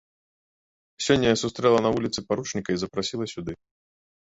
Сёння я сустрэла на вуліцы паручніка і запрасіла сюды.